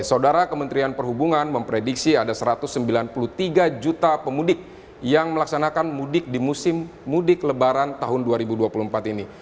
saudara kementerian perhubungan memprediksi ada satu ratus sembilan puluh tiga juta pemudik yang melaksanakan mudik di musim mudik lebaran tahun dua ribu dua puluh empat ini